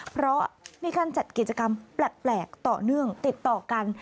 เพราะมีการจัดกิจกรรมแปลกต่อเนื่องติดต่อกัน